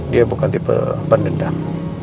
dia bukan tipe pendendam